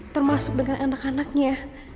termasuk dengan anak anaknya